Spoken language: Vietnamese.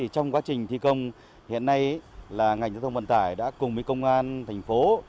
trong quá trình thi công hiện nay là ngành giao thông vận tải đã cùng với công an thành phố